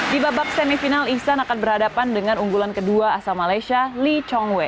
di babak semifinal ihsan akan berhadapan dengan unggulan kedua asal malaysia lee chong wei